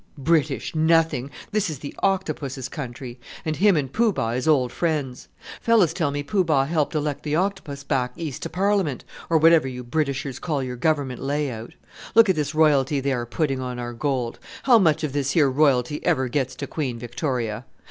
"British! nothing: this is the Octopus' country; and him and Poo Bah is old friends! Fellows tell me Poo Bah helped elect the Octopus back east to Parliament or whatever you Britishers call your Government lay out. Look at this royalty they are putting on our gold! how much of this here royalty ever gets to Queen Victoria?